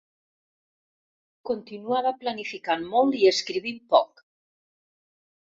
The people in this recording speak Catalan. Continuava planificant molt i escrivint poc.